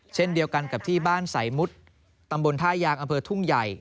เช่นเดียวกันกับที่บ้านสายมุดตำบลท่ายางอำเภอทุ่งใหญ่